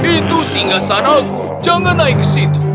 itu singgah sanaku jangan naik ke situ